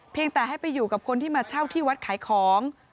แต่ให้ไปอยู่กับคนที่มาเช่าที่วัดขายของ